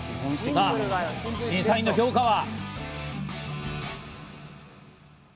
さぁ、審査員の評価は？